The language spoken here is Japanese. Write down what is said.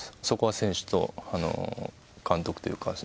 そこは選手と監督という。